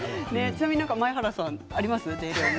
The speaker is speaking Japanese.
前原さん、ありますか？